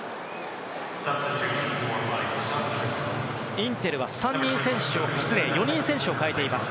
インテルは４人、選手を代えています。